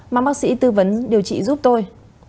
mong bác sĩ tư vấn điều trị giúp tôi